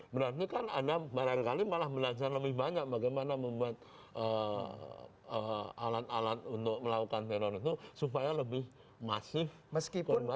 berarti kan anda barangkali malah belajar lebih banyak bagaimana membuat alat alat untuk melakukan teror itu supaya lebih masif